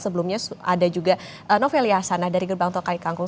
sebelumnya ada juga novel yasana dari gerbang tol kali kangkung